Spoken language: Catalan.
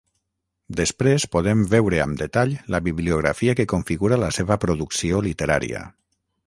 Després podem veure amb detall la bibliografia que configura la seva producció literària.